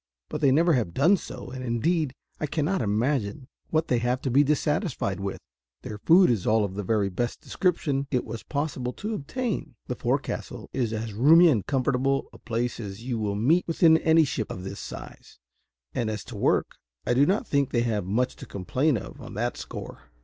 But they never have done so; and indeed I cannot imagine what they have to be dissatisfied with: their food is all of the very best description it was possible to obtain; the forecastle is as roomy and comfortable a place as you will meet with in any ship of this size; and, as to work, I do not think they have much to complain of on that score."